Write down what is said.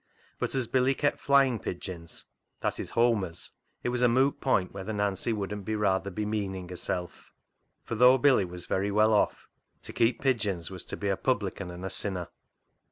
But as Billy kept flying pigeons (that is, homers), it was a moot point whether Nancy wouldn't be rather bemeaning herself; for though Billy was very well off, to keep pigeons was to be a publican and a sinner.